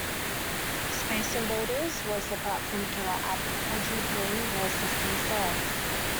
"Space Invaders" was the platform's killer app, quadrupling the system's sales.